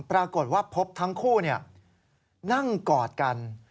ปรากฏว่าพบทั้งคู่นั่งกอดกัน